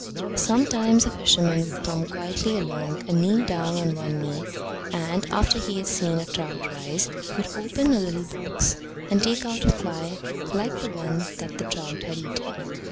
Sometimes a fisherman would come quietly along and kneel down on one knee, and, after he had seen a trout rise, would open a little box and take out a fly like the one that the trout had eaten.